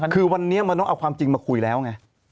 คือวันนี้มันต้องเอาความจริงมาคุยแล้วไง